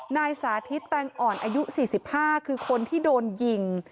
นายสาธิตแตงอ่อนอายุ๔๕คือคนที่โดนยิง